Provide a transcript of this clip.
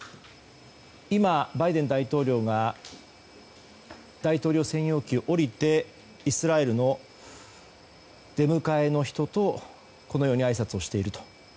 今、バイデン大統領が大統領専用機を降りてイスラエルの出迎えの人とあいさつをしていると。